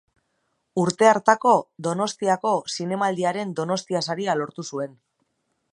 Urte hartako Donostiako Zinemaldiaren Donostia Saria lortu zuen.